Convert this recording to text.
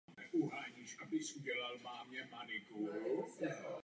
Zároveň tím okamžikem přešla vojenská iniciativa ze Španělů na vlastenecké síly.